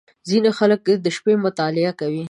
• ځینې خلک د شپې مطالعه کوي.